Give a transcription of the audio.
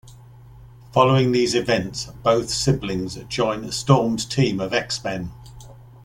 Following these events, both siblings join Storm's team of X-Men.